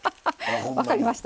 分かりました？